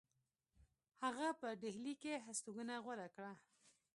هغه په ډهلی کې هستوګنه غوره کړه.